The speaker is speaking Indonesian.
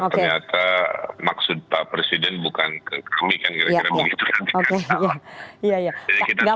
ternyata maksud pak presiden bukan ke kami kan kira kira begitu nanti kan